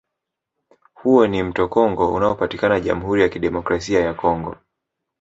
Huo ni mto Congo unaopatikana Jamhuri ya Kidemokrasia ya Congo